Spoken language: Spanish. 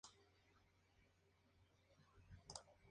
Hay cría de llamas, ovejas y cabras.